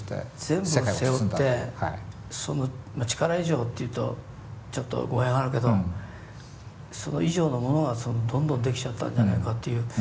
全部を背負ってその力以上っていうとちょっと語弊があるけどそれ以上のものがどんどんできちゃったんじゃないかっていう。